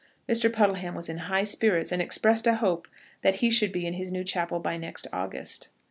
Mr. Puddleham was in high spirits, and expressed a hope that he should be in his new chapel by next August.